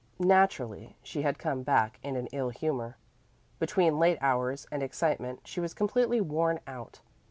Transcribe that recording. Naturally she had come back in an ill humor. Between late hours and excitement she was completely worn out.